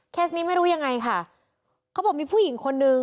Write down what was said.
นี้ไม่รู้ยังไงค่ะเขาบอกมีผู้หญิงคนนึง